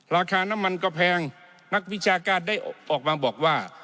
ราคาน้ำมันก็แพงนักวิชาการได้ออกมาบอกว่า